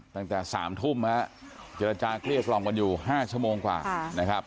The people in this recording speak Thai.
ตั้งแต่สามทุ่มแล้วเจรจาเครียดกล่องกันอยู่ห้าชั่วโมงกว่านะครับ